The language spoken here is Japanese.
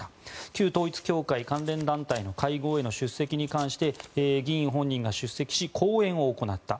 旧統一教会関連団体の会合への出席に関して議員本人が出席し講演を行った。